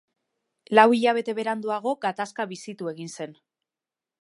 Lau hilabete beranduago, gatazka bizitu egin zen.